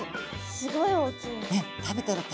すごい大きい。